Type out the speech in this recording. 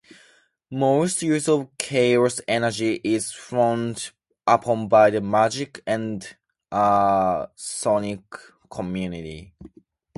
Most use of chaos energy is frowned upon by the magic and psionic community.